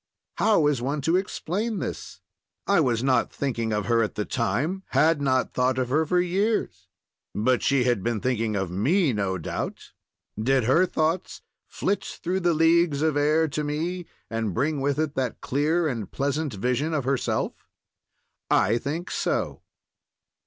How is one to explain this? I was not thinking of her at the time; had not thought of her for years. But she had been thinking of me, no doubt; did her thoughts flit through leagues of air to me, and bring with it that clear and pleasant vision of herself? I think so.